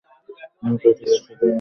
আমি কচি বাচ্চাদের মতো করি?